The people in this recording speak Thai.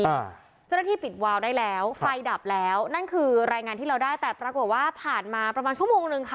เจ้าหน้าที่ปิดวาวได้แล้วไฟดับแล้วนั่นคือรายงานที่เราได้แต่ปรากฏว่าผ่านมาประมาณชั่วโมงนึงค่ะ